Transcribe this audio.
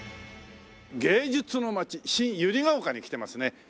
芸術の街新百合ヶ丘に来てますね。